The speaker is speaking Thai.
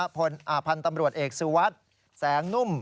คนอาพันธ์ตำรวจเอกสิวัตรแสงนุ่ม